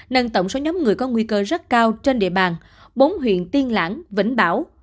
nâng tổng số nhóm người có nguy cơ rất cao trên địa bàn bốn huyện tiên lãng vĩnh bảo